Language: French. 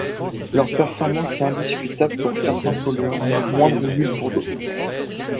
Leur performance est indiscutable pour certains polluants, moindre ou nulle pour d'autres.